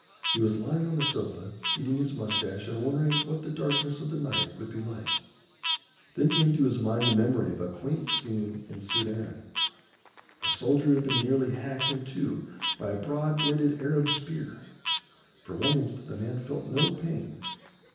He was lying on the sofa, eating his moustache and wondering what the darkness of the night would be like. Then came to his mind the memory of a quaint scene in the Soudan. A soldier had been nearly hacked in two by a broad bladed Arab spear. For one instant the man felt no pain.